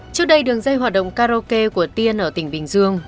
trước đây đường dây hoạt động karaoke của tiên ở tỉnh bình dương